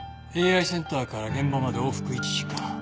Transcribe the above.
ＡＩセンターから現場まで往復１時間。